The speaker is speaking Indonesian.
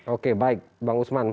oke baik bang usman